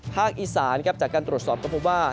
อีสานจากการตรวจสอบก็พบว่า